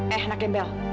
eh anak gembel